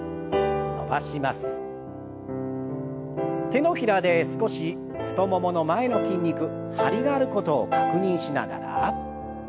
手のひらで少し太ももの前の筋肉張りがあることを確認しながら。